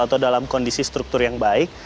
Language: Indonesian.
atau dalam kondisi struktur yang baik